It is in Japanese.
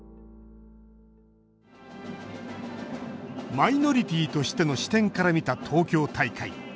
マイノリティーとしての視点から見た東京大会。